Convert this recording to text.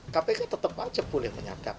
kpk tetap aja boleh menyadap